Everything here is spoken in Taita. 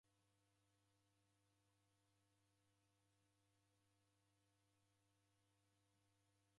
Mlungu ni wa w'ughoma waw'iatesia w'andu na ihi njala.